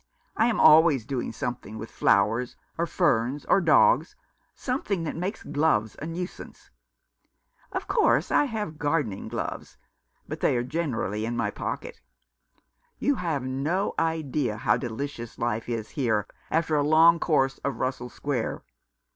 I am always doing something with flowers, or ferns, or dogs, something that makes gloves a nuisance. Of course, I have gardening gloves — but they are generally in my pocket. You have no idea how delicious life is here after a long course of Russell Square.